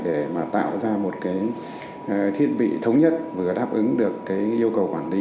để mà tạo ra một cái thiết bị thống nhất vừa đáp ứng được cái yêu cầu quản lý